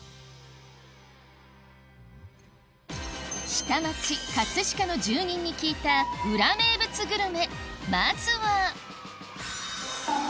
下町葛飾の住人に聞いた裏名物グルメ